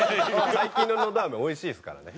最近ののど飴おいしいですからね。